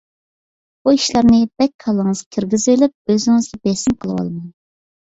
بۇ ئىشلارنى بەك كاللىڭىزغا كىرگۈزۈۋېلىپ ئۆزىڭىزگە بېسىم قىلىۋالماڭ.